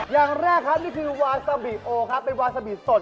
อย่างแรกอย่างแรกค่ะนี่คือวาสบีโอครับเป็นวาสบีสด